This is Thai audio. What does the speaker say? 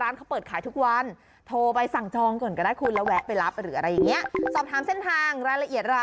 ในไส้เขาต้องทำไส้ฟับนา